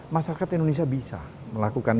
masyarakat indonesia bisa melakukan